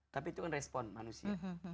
tapi itu kan respon manusia